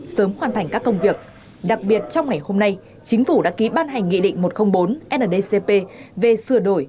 sớm hoàn thành các công việc đặc biệt trong ngày hôm nay chính phủ đã ký ban hành nghị định một trăm linh bốn ndcp về sửa đổi